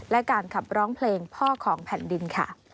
และการขับร้องเพลงพ่อของแผ่นดินค่ะ